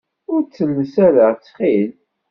Ur ttelles ara ttxil.